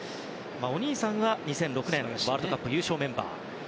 お兄さんが２００６年のワールドカップ優勝メンバー。